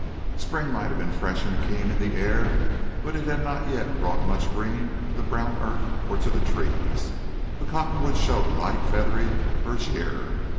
Spring might have been fresh and keen in the air, but it had not yet brought much green to the brown earth or to the trees. The cotton woods showed a light feathery verdure.